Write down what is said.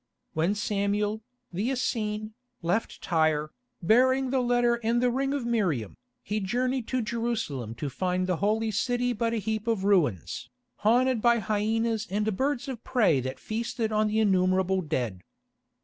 When Samuel, the Essene, left Tyre, bearing the letter and the ring of Miriam, he journeyed to Jerusalem to find the Holy City but a heap of ruins, haunted by hyænas and birds of prey that feasted on the innumerable dead.